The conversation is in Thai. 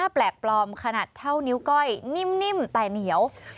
แปลกปลอมขนาดเท่านิ้วก้อยนิ่มแต่เหนียว